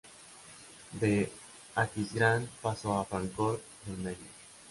De Aquisgrán pasó a Fráncfort del Meno.